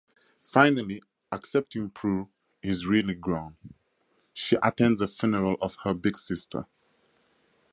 Finally accepting Prue is really gone, she attends the funeral of her big sister.